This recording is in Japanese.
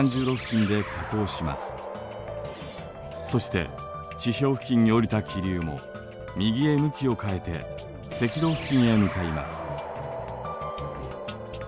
そして地表付近に降りた気流も右へ向きを変えて赤道付近へ向かいます。